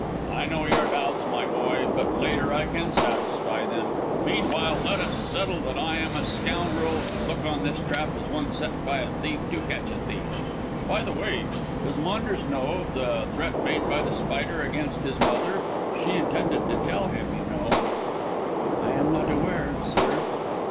"I know your doubts, my boy, but later I can satisfy them. Meanwhile let us settle that I am a scoundrel, and look on this trap as one set by a thief to catch a thief. By the way, does Maunders know of the threat made by The Spider against his mother. She intended to tell him, you know." "I am not aware, sir.